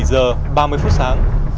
bảy h ba mươi phút sáng